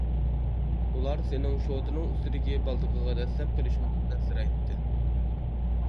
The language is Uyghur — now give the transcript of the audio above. ئۇلار سېنىڭ شوتىنىڭ ئۈستىدىكى بالدىقىغا دەسسەپ قېلىشىڭدىن ئەنسىرەيتتى.